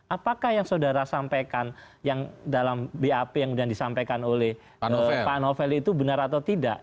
apakah yang saudara sampaikan yang dalam bap yang disampaikan oleh pak novel itu benar atau tidak